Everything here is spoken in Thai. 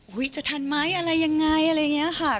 จะทันไหมอะไรยังไงอะไรอย่างนี้ค่ะ